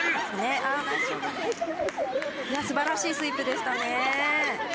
すばらしいスイープでしたね。